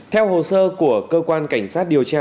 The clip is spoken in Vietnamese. theo hồ sơ của cơ quan cảnh sát điều tra